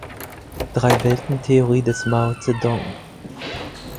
Drei-Welten-Theorie des Mao Zedong.